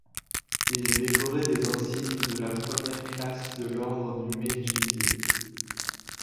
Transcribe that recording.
Il est décoré des insignes de la première classe de l'Ordre du Médjidié.